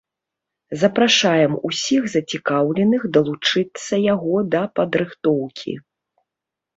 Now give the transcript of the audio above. Запрашаем усіх зацікаўленых далучыцца яго да падрыхтоўкі.